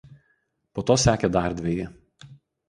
Po to sekė dar dveji.